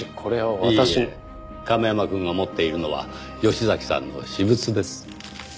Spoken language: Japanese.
亀山くんが持っているのは吉崎さんの私物です。